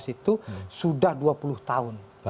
dua ribu sembilan belas itu sudah dua puluh tahun